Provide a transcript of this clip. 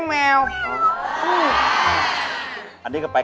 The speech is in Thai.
นั่นนะสิอะไร